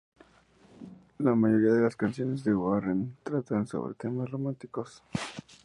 La mayoría de las canciones de Warren tratan sobre temas románticos.